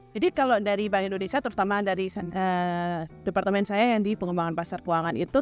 jadi kalau dari bank indonesia terutama dari departemen saya yang di pengembangan pasar keuangan itu